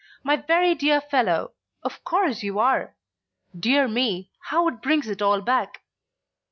"My very dear fellow, of course you are. Dear me, how it brings it all back.